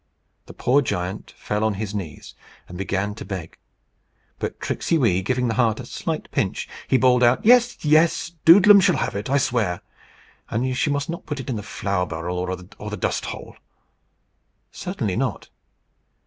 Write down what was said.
The poor giant fell on his knees, and began again to beg. But Tricksey Wee giving the heart a slight pinch, he bawled out, "Yes, yes! Doodlem shall have it, I swear. Only she must not put it in the flour barrel, or in the dust hole." "Certainly not.